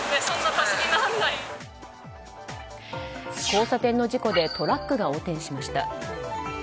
交差点の事故でトラックが横転しました。